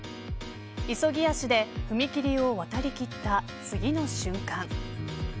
急ぎ足で踏切を渡りきった次の瞬間。